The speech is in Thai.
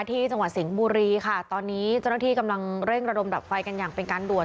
ที่จังหวัดสิงห์บุรีค่ะตอนนี้เจ้าหน้าที่กำลังเร่งระดมดับไฟกันอย่างเป็นการด่วน